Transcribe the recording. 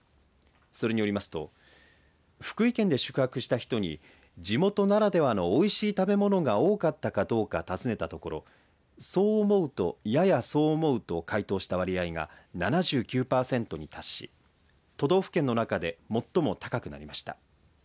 それによりますと福井県で宿泊した人に地元ならではのおいしい食べ物が多かったかどうか尋ねたところそう思うと、ややそう思うと回答した割合が７９％に達し都道府県の中で最も高くなりました。